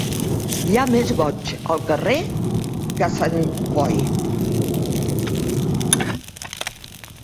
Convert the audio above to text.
Hi ha més boigs al carrer que a Sant Boi.